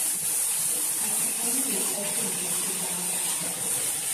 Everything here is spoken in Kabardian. Ацетоныр уи пэцыр иричу бамэщ.